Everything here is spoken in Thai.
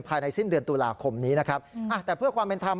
ภายในสิ้นเดือนตุลาคมนี้นะครับอ่ะแต่เพื่อความเป็นธรรม